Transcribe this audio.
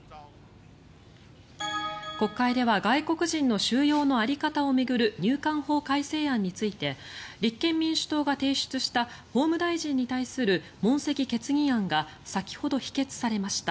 国会では外国人の収容の在り方を巡る入管法改正案について立憲民主党が提出した法務大臣に対する問責決議案が先ほど否決されました。